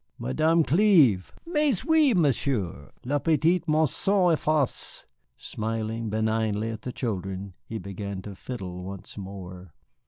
"Madame Clive, mais oui, Monsieur, l' petite maison en face." Smiling benignly at the children, he began to fiddle once more.